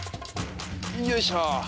よいしょ！